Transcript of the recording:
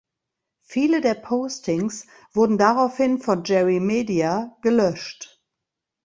Viele der Postings wurden daraufhin von Jerry Media gelöscht.